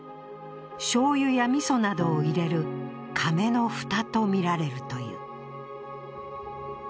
しょうゆやみそなどを入れるかめの蓋とみられるという。